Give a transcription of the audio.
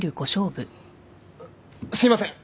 すいません。